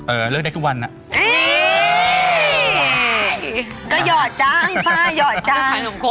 เอ่อเลือกได้ทุกวันเนี้ยก็หยอดจังฝ้ายอดจัง